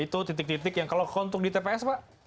itu titik titik yang kalau untuk di tps pak